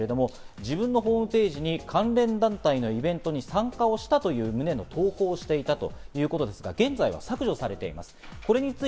自身のホームページに関連団体のイベントに参加した旨の投稿をしていたということですが、現在は削除されています。